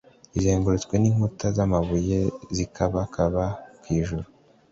izengurutswe n’inkuta z’amabuye zikabakaba ku ijuru,